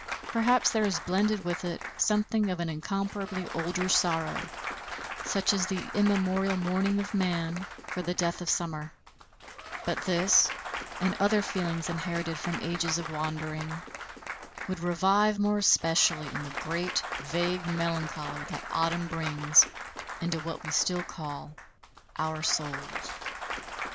Possibly there is blended with it something of incomparably older sorrow such as the immemorial mourning of man for the death of summer; but this, and other feelings inherited from ages of wandering, would revive more especially in the great vague melancholy that autumn brings into what we still call our souls.